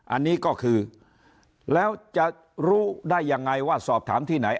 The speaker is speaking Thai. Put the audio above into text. อันนี้ก็คือแล้วจะรู้ได้ยังไงว่าสอบถามที่ไหน